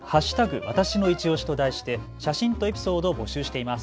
わたしのいちオシと題して写真とエピソードを募集しています。